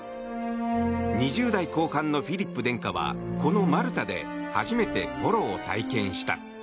２０代後半のフィリップ殿下はこのマルタで初めてポロを体験した。